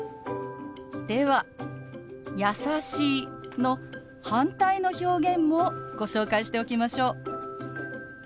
では「優しい」の反対の表現もご紹介しておきましょう。